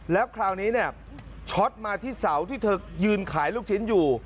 แล้วคราวนี้เนี่ยช็อตมาที่เสาที่เธอยืนขายลูกชิ้นอยู่